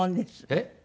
えっ？